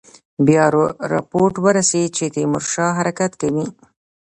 بیا رپوټ ورسېد چې تیمورشاه حرکت کوي.